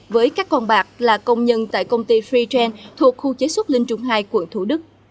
với các con bạc là công nhân tại công ty free gen thuộc khu chế xuất linh trung hai quận thủ đức